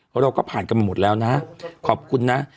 เราก็ผ่านกันมาหมดแล้วนะขอบคุณนะ